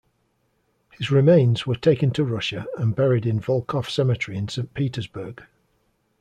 His remains were taken to Russia and buried in Volkoff Cemetery in Saint Petersburg.